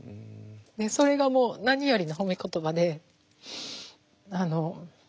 それがもう何よりの褒め言葉で。